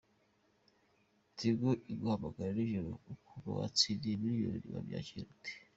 Tigo Iguhamagara n’ijoro, ukumva watsindiye "miliyoni wabyakiriye ute?.